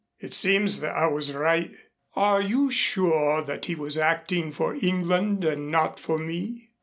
It seems that I was right." "Are you sure that he was acting for England and not for me?"